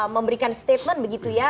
memberikan statement begitu ya